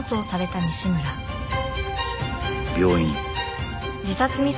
病院